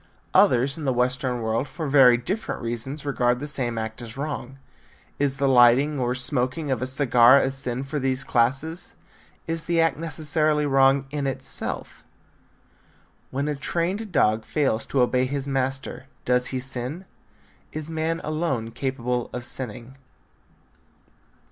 Others in the western world for very different reasons regard the same act as wrong. Is the lighting or smoking of a cigar a sin for these classes? Is the act necessarily wrong in itself? When a trained dog fails to obey his master, does he sin? Is man alone capable of sinning?